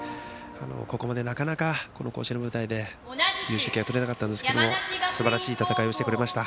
ここまで、なかなかこの甲子園の舞台で優勝旗が取れなかったんですけどすばらしい戦いをしてくれました。